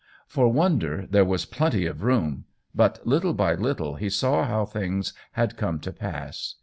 For wonder there was plenty of room, but little by little he saw how things had come to pass.